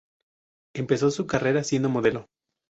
Empezó su carrera siendo modelo.